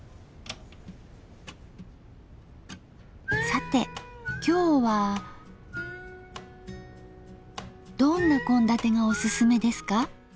さて今日はどんな献立がおすすめですか？